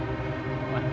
ayah aku mohon ayah